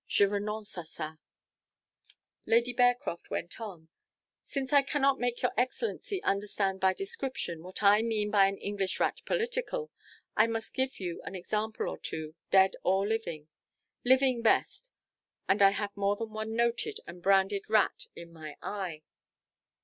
Je renonce à ça_ " Lady Bearcroft went on "Since I cannot make your excellency understand by description what I mean by an English rat political, I must give you an example or two, dead and living living best, and I have more than one noted and branded rat in my eye."